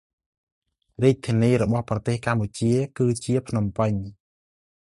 រដ្ឋធានីរបស់ប្រទេសកម្ពុជាគឺជាភ្នំពេញ ។